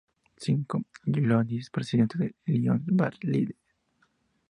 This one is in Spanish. Sampson S. Lloyds, Presidente del Lloyds Bank Ltd.